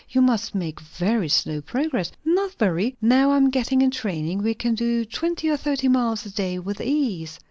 You must make very slow progress?" "Not very. Now I am getting in training, we can do twenty or thirty miles a day with ease."